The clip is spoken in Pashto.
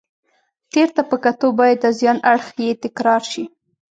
تېر ته په کتو باید د زیان اړخ یې تکرار شي.